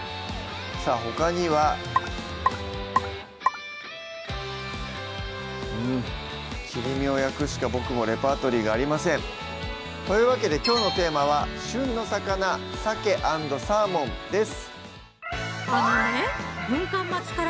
さぁほかにはうん切り身を焼くしか僕もレパートリーがありませんというわけできょうのテーマは「旬の魚！鮭＆サーモン」です